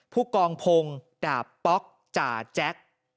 ผู้กองพงศ์ดาบป๊อกจ่าแจ็ค